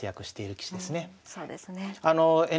そうですね。